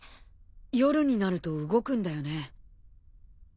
夜になると動くんだよね？